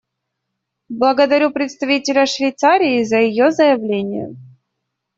Благодарю представителя Швейцарии за ее заявление.